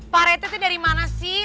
pak rete teh dari mana sih